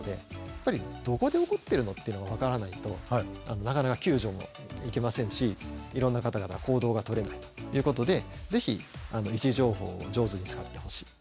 やっぱりどこで起こってるのっていうのが分からないとなかなか救助も行けませんしいろんな方々行動がとれないということで是非位置情報を上手に使ってほしい。